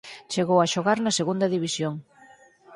Chegou a xogar na Segunda División.